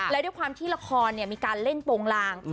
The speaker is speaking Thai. และด้วยความที่ละครมีการเล่นโปรงลาง